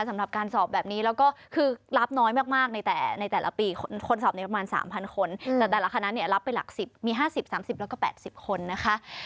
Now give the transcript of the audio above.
มี๕๐๓๐แล้วก็๘๐คนนะคะ